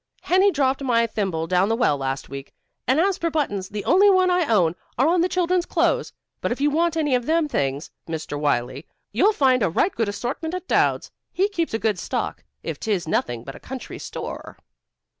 Henney dropped my thimble down the well last week, and as for buttons, the only ones I own are on the children's clothes. But if you want any of them things, Mr. Wylie, you'll find a right good assortment at Dowd's. He keeps a good stock, if 'tis nothing but a country store."